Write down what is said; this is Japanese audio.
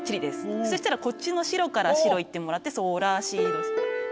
そしたらこっちの白から白行ってもらってソラシド。